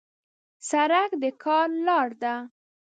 سړک د کار لار ده.